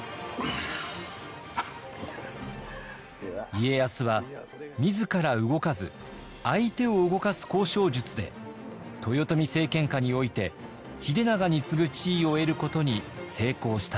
家康は自ら動かず相手を動かす交渉術で豊臣政権下において秀長に次ぐ地位を得ることに成功したのです。